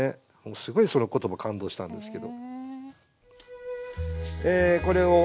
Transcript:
すごいその言葉感動したんですけど。